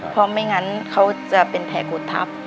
เพราะไม่งั้นเขาจะเป็นแผลกดทับ